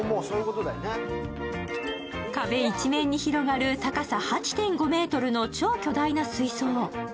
壁一面に広がる高さ８．５ｍの超巨大な水槽。